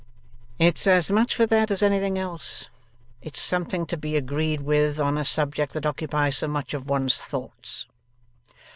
'It's as much for that as anything else. It's something to be agreed with, on a subject that occupies so much of one's thoughts.